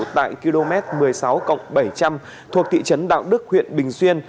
tại km một mươi sáu bảy trăm linh thuộc thị trấn đạo đức huyện bình xuyên